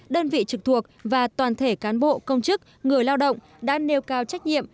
đơn vị trực thuộc và toàn thể cán bộ công chức người lao động đã nêu cao trách nhiệm